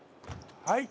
はい。